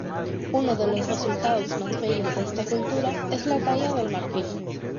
Uno de los resultados más bellos de esta cultura es la talla del marfil.